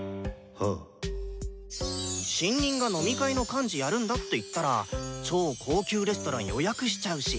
新任が飲み会の幹事やるんだって言ったら超高級レストラン予約しちゃうし。